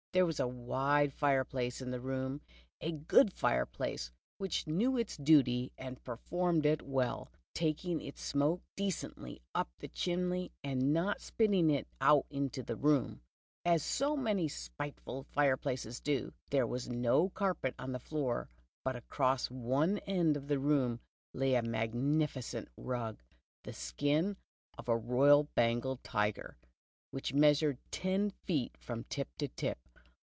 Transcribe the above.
There was a wide fire place in the room, a good fireplace, which knew its duty, and performed it well, taking its smoke decently up the chimney and not spitting it out into the room, as so many spiteful fireplaces do. There was no carpet on the floor, but across one end of the room lay a magnificent rug, the skin of a "Royal Bengal Tiger," which measured ten feet from tip to tip.